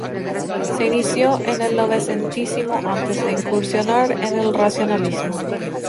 Se inició en el novecentismo, antes de incursionar en el racionalismo.